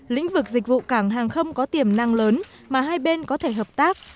lĩnh vực dịch vụ cảng hàng không có tiềm năng lớn mà hai bên có thể hợp tác